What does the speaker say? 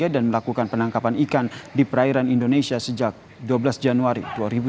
dan melakukan penangkapan ikan di perairan indonesia sejak dua belas januari dua ribu dua puluh empat